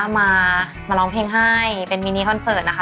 มาร้องเพลงให้เป็นมินิคอนเสิร์ตนะคะ